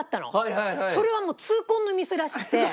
それはもう痛恨のミスらしくて。